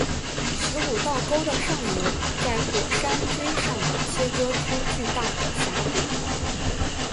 十五道沟的上游在火山锥上切割出巨大的峡谷。